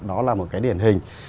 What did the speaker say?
đó là một cái điển hình